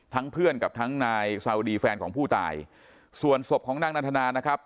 เพื่อนกับทั้งนายซาวดีแฟนของผู้ตายส่วนศพของนางนันทนานะครับ